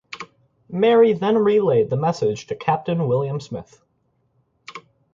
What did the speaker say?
Mary then relayed the message to Captain William Smith.